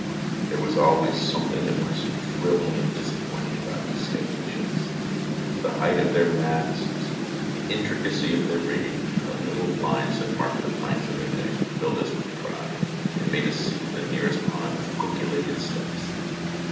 There was always something at once thrilling and disappointing about these stately ships. The height of their masts, the intricacy of their rigging, and the little lines that marked the planks of their deck, filled us with pride, and made us seek the nearest pond with quick, elated steps.